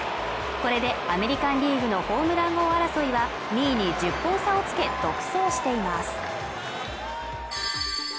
これでアメリカン・リーグのホームラン王争いは２位に１０本差をつけ独走しています